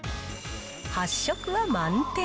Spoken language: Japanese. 発色は満点。